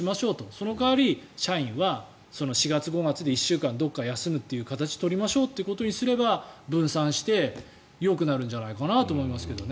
その代わり社員は４月、５月で１週間どこかで休むという形を取りましょうということにすれば分散してよくなるんじゃないかと思いますよね。